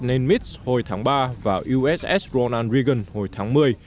nenmits hồi tháng ba và uss ronald reagan hồi tháng một mươi